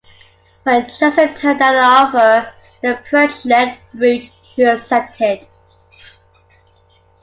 When Johnson turned down the offer, they approached Lenroot, who accepted.